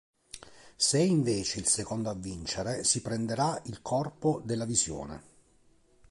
Se è invece il secondo a vincere, si prenderà il corpo della Visione.